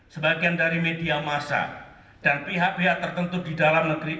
sebagian dari media massa dan pihak pihak tertentu di dalam negeri